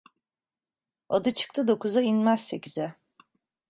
Adı çıktı dokuza, inmez sekize.